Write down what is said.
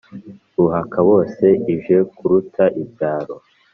ruhaka-bose ije kuruta ibyaro.